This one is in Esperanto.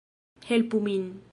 Helpu min